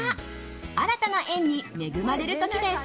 新たな縁に恵まれる時です。